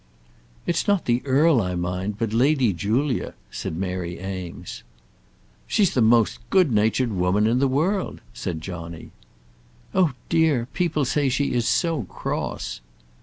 "It's not the earl I mind, but Lady Julia," said Mary Eames. "She's the most good natured woman in the world," said Johnny. "Oh, dear; people say she is so cross!"